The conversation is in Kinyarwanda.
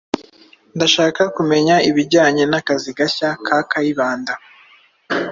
Ndashaka kumenya ibijyanye n'akazi gashya ka Kayibanda.